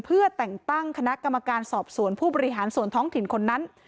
เพื่อแต่งตั้งคณะกรรมการสอบสวนผู้บริหารส่วนท้องถิ่นคนนั้น